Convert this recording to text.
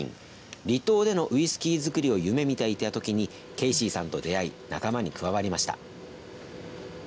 離島でのウイスキー造りを夢見ていたときにケイシーさんと出会い仲間に加わりました。